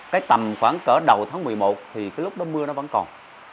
cái tầm khoảng cỡ đầu tháng một mươi một thì cái lúc đó mưa nó vẫn còn